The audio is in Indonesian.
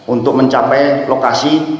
untuk mencapai lokasi